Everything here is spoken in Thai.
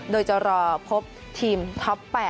โดยจะรอพบทีมท็อป๘